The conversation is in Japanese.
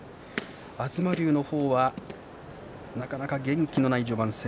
東龍の方はなかなか元気のない序盤戦